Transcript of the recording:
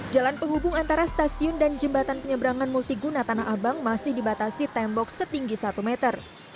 jalan penghubung antara stasiun dan jembatan penyeberangan multiguna tanah abang masih dibatasi tembok setinggi satu meter